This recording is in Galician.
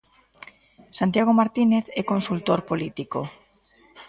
Santiago Martínez é consultor político.